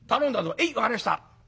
「へい分かりました。